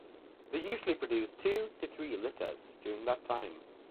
They usually produce two to three litters during that time.